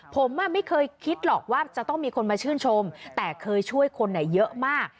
ผมไม่เคยคิดหรอกว่าจะต้องมีคนมาชื่นชมแต่เคยช่วยคนเยอะมาก